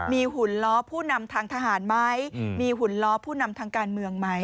มีหุ่นล้อผู้นำทางทหารไหมมีหุ่นล้อผู้นำทางการเมืองไหม